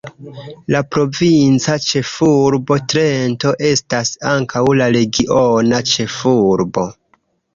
La provinca ĉefurbo Trento estas ankaŭ la regiona ĉefurbo.